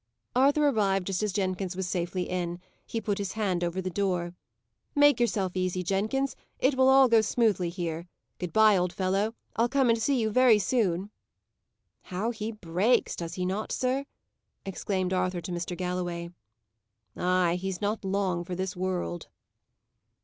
Arthur arrived just as Jenkins was safely in. He put his hand over the door. "Make yourself easy, Jenkins; it will all go on smoothly here. Good bye, old fellow! I'll come and see you very soon." "How he breaks, does he not, sir?" exclaimed Arthur to Mr. Galloway. "Ay! he's not long for this world!"